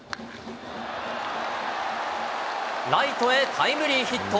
ライトへタイムリーヒット。